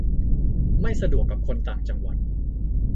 - ไม่สะดวกกับคนต่างจังหวัด